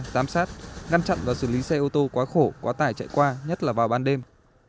giám sát ngăn chặn và xử lý xe ô tô quá khổ quá tải chạy qua nhất là vào ban đêm